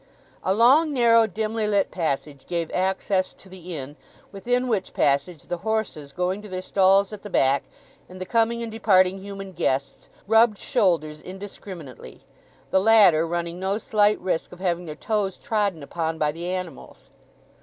A long, narrow, dimly lit passage gave access to the inn, within which passage the horses going to their stalls at the back, and the coming and departing human guests, rubbed shoulders indiscriminately, the latter running no slight risk of having their toes trodden upon by the animals.